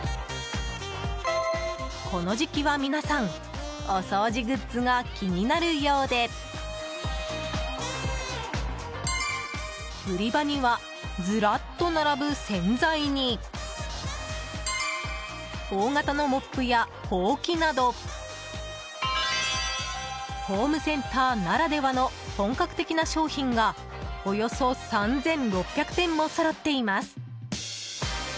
この時期は皆さんお掃除グッズが気になるようで売り場には、ずらっと並ぶ洗剤に大型のモップや、ほうきなどホームセンターならではの本格的な商品がおよそ３６００点もそろっています。